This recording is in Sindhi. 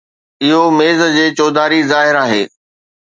اهو ميز جي چوڌاري ظاهر آهي.